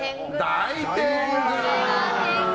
大天狗！